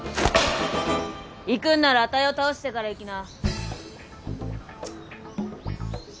行くんならあたいを倒してから行きな。